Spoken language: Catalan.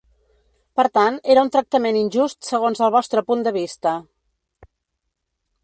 Per tant, era un tractament injust segons el vostre punt de vista.